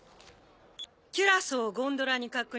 キュラソーをゴンドラに確認。